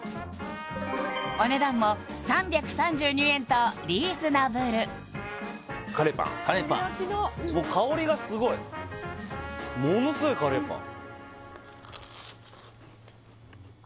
お値段も３３２円とリーズナブルカレーパンカレーパンものすごいカレーパン